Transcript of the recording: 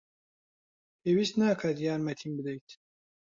پێویست ناکات یارمەتیم بدەیت.